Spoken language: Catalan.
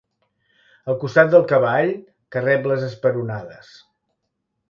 El costat del cavall, que rep les esperonades.